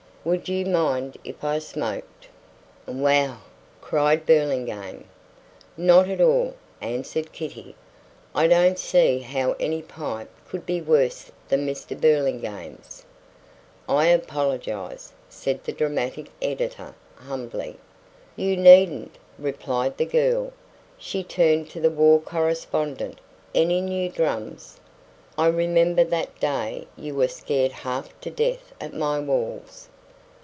Would you mind if I smoked?" "Wow!" cried Burlingame. "Not at all," answered Kitty. "I don't see how any pipe could be worse than Mr. Burlingame's." "I apologize," said the dramatic editor, humbly. "You needn't," replied the girl. She turned to the war correspondent. "Any new drums?" "I remember that day. You were scared half to death at my walls."